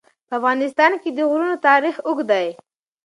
په افغانستان کې د غرونه تاریخ اوږد دی.